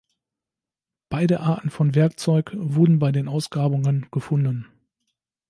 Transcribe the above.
Beide Arten von Werkzeug wurden bei den Ausgrabungen gefunden.